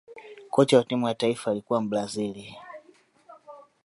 kocha wa timu ya taifa alikuwa mbrazil